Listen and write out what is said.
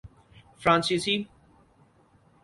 فرانسیسی